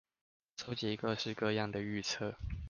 蒐集各式各樣的預測